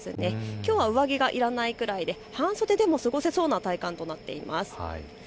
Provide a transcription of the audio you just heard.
きょうは上着がいらないくらいで半袖でも過ごせそうな体感となっています。